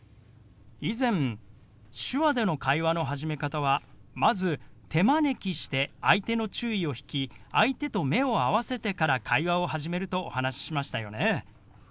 以前手話での会話の始め方はまず手招きして相手の注意を引き相手と目を合わせてから会話を始めるとお話ししましたよね。